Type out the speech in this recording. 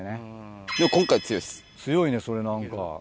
強いねそれ何か。